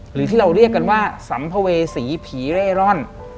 หรือที่เราเรียกกันว่าสัมภเวษีผีเร่ร่อน